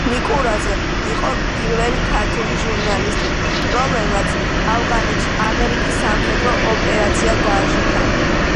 ნიკურაძე იყო პირველი ქართველი ჟურნალისტი, რომელმაც ავღანეთში ამერიკის სამხედრო ოპერაცია გააშუქა.